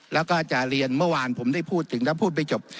แล้วก็จะเรียนเมื่อวานผมได้พูดถึงถ้าพูดไม่จบ